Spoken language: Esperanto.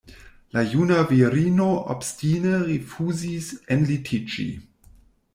La juna virino obstine rifuzis enlitiĝi.